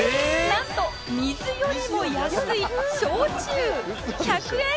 なんと水よりも安い焼酎１００円